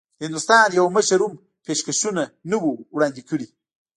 د هندوستان یوه مشر هم پېشکشونه نه وو وړاندي کړي.